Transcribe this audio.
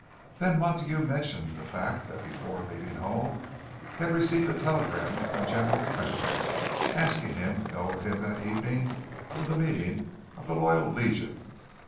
Then Montague mentioned the fact that before leaving home he had received a telegram from General Prentice, asking him to go with him that evening to the meeting of the Loyal Legion.